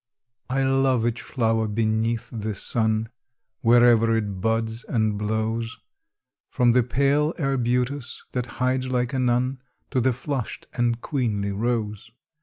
I love each flower beneath the sun, Wherever it buds and blows; From the pale arbutus that hides like a nun, To the flushed and queenly rose.